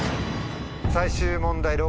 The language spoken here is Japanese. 最終問題